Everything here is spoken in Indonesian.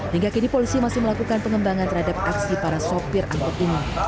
hingga kini polisi masih melakukan pengembangan terhadap aksi para sopir angkut ini